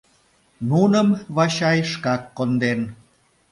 Нуным Вачай шкак конден.